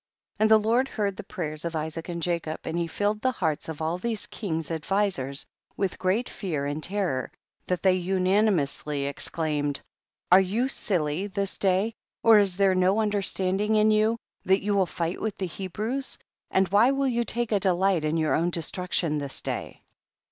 2. And the Lord heard the prayers of Isaac and Jacob, and he filled the hearts of all these kings advisers THE BOOK OF JASHER. 105 with great fear and terror lliat tlicy unanimously exclaimed, 3. Are you silly this day, or is there no understanding in you, that you will fight with the Hebrews, and why will you take a delight in your own destruction this day